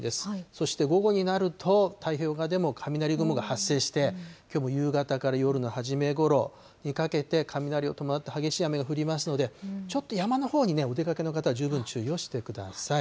そして午後になると、太平洋側でも雷雲が発生して、きょうも夕方から夜の初めごろにかけて、雷を伴って激しい雨が降りますので、ちょっと山のほうにね、お出かけの方は十分注意をしてください。